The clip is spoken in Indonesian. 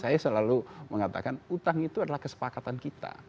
saya selalu mengatakan utang itu adalah kesepakatan kita